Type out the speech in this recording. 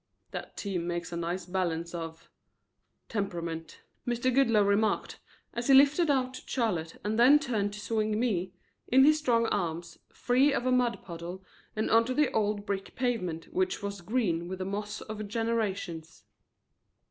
"That team makes a nice balance of temperament," Mr. Goodloe remarked, as he lifted out Charlotte and then turned to swing me, in his strong arms, free of a mud puddle and onto the old brick pavement which was green with the moss of generations.